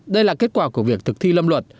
đây là kết quả của việc thực thi lâm luật